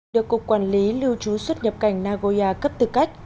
được cục quản lý lưu trú xuất nhập cảnh nagoya cấp tư cách